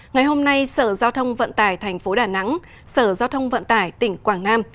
ngày hôm nay sở giao thông vận tài tp đà nẵng sở giao thông vận tài tỉnh quảng nam